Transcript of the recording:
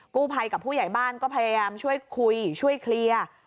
กู้ภัยกับผู้ใหญ่บ้านก็พยายามช่วยคุยช่วยเคลียร์